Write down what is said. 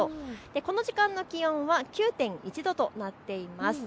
この時間の気温が９．１度となっています。